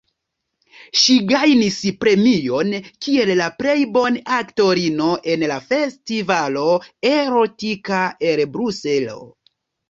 Ŝi gajnis premion kiel la plej bone aktorino en la Festivalo Erotika el Bruselo.